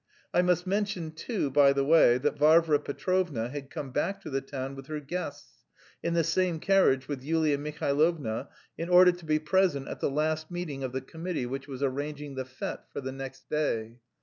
I must mention too, by the way, that Varvara Petrovna had come back to the town with her guests (in the same carriage with Yulia Mihailovna) in order to be present at the last meeting of the committee which was arranging the fête for the next day.